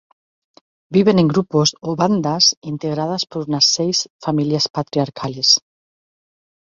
Viven en grupos o "bandas" integradas por unas seis familias patriarcales.